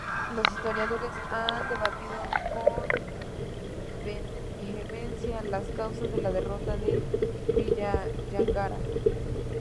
Los historiadores han debatido con vehemencia las causas de la derrota de Vijayanagara.